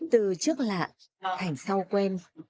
từ trước lạ thành sau quen